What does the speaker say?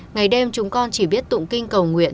ngày đêm chúng con chỉ biết tụng kinh cầu nguyện